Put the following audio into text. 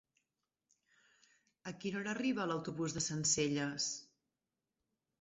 A quina hora arriba l'autobús de Sencelles?